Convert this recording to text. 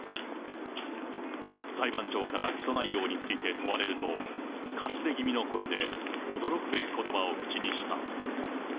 裁判長から起訴内容について問われると、かすれ気味の声で、驚くべきことばを口にした。